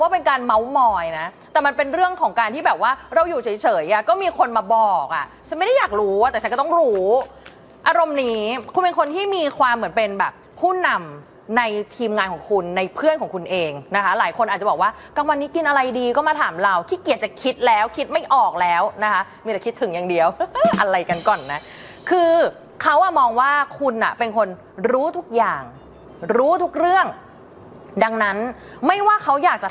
เป็นการเม้ามอยนะแต่มันเป็นเรื่องของการที่แบบว่าเราอยู่เฉยก็มีคนมาบอกอ่ะฉันไม่ได้อยากรู้อ่ะแต่ฉันก็ต้องรู้อารมณ์นี้คุณเป็นคนที่มีความเหมือนเป็นแบบผู้นำในทีมงานของคุณในเพื่อนของคุณเองนะคะหลายคนอาจจะบอกว่ากลางวันนี้กินอะไรดีก็มาถามเราขี้เกียจจะคิดแล้วคิดไม่ออกแล้วนะคะมีแต่คิดถึงอย่างเดียวอะไรกันก่อนนะค